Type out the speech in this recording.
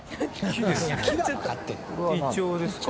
イチョウですか？